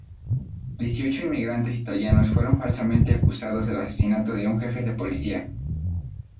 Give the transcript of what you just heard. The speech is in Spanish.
Dieciocho inmigrantes italianos fueron falsamente acusados del asesinato de un jefe de policía.